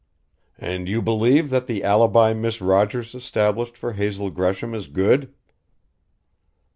"And you believe that the alibi Miss Rogers established for Hazel Gresham is good?"